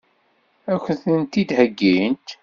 Ad k-tent-id-heggint?